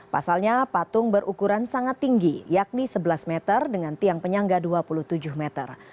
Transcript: pasalnya patung berukuran sangat tinggi yakni sebelas meter dengan tiang penyangga dua puluh tujuh meter